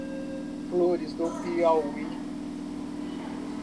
Flores do Piauí